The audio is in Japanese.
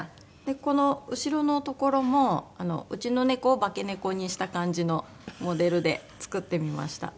この後ろの所もうちの猫を化け猫にした感じのモデルで作ってみました。